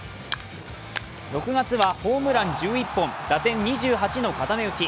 ６月はホームラン１１本打点２８の固め打ち。